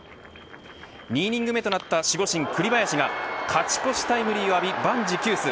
２イニング目となった守護神、栗林が勝ち越しタイムリーを浴び万事休す。